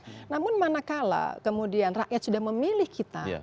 maka kemudian mana kalah kemudian rakyat sudah memilih kita